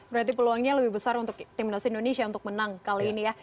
berarti peluangnya lebih besar untuk timnas indonesia untuk menang kali ini ya